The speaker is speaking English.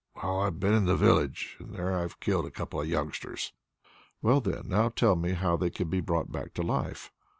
"Well, I've been in the village, and there I've killed a couple of youngsters." "Well then, now tell me how they can be brought back to life."